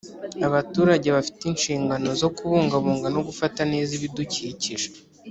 Abaturage bafite inshingano zo kubungabunga no gufata neza ibidukikije